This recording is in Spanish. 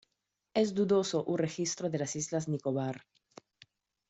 Es dudoso un registro de las islas Nicobar.